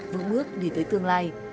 vững bước đi tới tương lai